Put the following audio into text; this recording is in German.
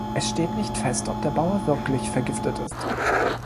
Es steht nicht fest, ob der Bauer wirklich „vergiftet“ ist.